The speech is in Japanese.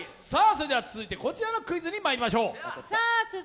続いてこちらのクイズにまいりましょう。